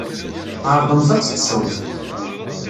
Ɛerḍemt ad teṭṭsemt.